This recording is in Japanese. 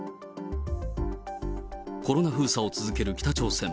コロナ封鎖を続ける北朝鮮。